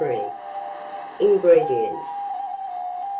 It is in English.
INGREDIENTS.